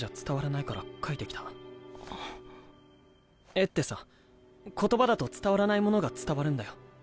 絵ってさ言葉だと伝わらないものが伝わるんだよ。